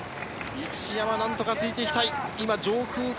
一山、何とかついていきたい。